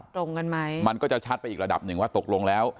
ตรงกันไหมมันก็จะชัดไปอีกระดับหนึ่งว่าตกลงแล้ว